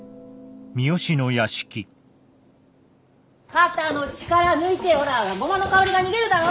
・肩の力抜いてほらゴマの香りが逃げるだろ。